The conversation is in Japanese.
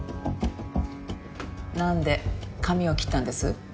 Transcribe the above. なんで髪を切ったんです？